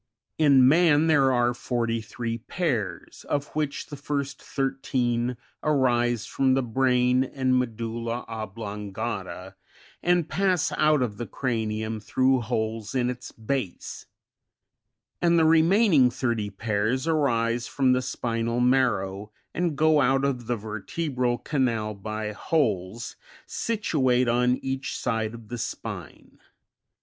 In man there are forty three pairs, of which, the first thirteen arise from the brain and medulla oblongata, and pass out of the cranium through holes in its base : and the remaining thirty pairs arise from the spinal marrow, and go out of the vertebral canal by holes, situate on each side of the spine.